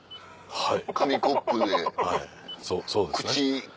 はい。